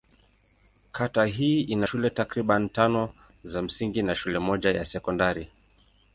Kata hii ina shule takriban tano za msingi na shule moja ya sekondari.